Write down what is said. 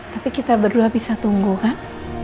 tapi kita berdua bisa tumbuh kan